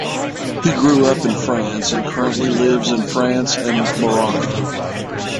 He grew up in France and currently lives in France and Morocco.